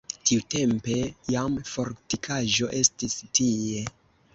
Tiutempe jam fortikaĵo estis tie.